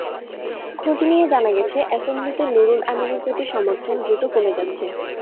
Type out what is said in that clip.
খোঁজ নিয়ে জানা গেছে, অ্যাসেম্বলিতে নূরুল আমীনের প্রতি সমর্থন দ্রুত কমে যাচ্ছে।